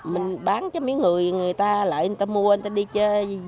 mình bán cho mấy người người ta lại người ta mua người ta đi dùng trên người ta bán